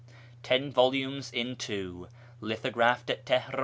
Ten volumes in two. Lithographed at Teheran, a.